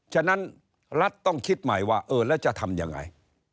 ฉะนั้นรัฐต้องคิดใหม่ว่าเออแล้วจะทำยังไง